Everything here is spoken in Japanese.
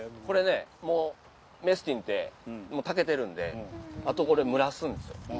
これねもうメスティンって炊けてるんであとこれ蒸らすんですよ。